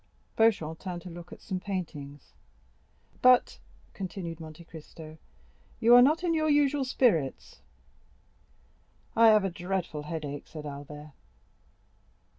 Beauchamp turned to look at some paintings. "But," continued Monte Cristo, "you are not in your usual spirits?" "I have a dreadful headache," said Albert.